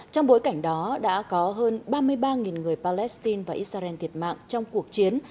trong bối cảnh đó đã có hơn ba mươi ba người palestine và israel thiệt mạng trong cuộc chiến